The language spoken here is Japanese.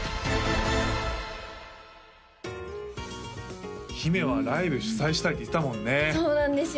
出演姫はライブ主催したいって言ってたもんねそうなんですよ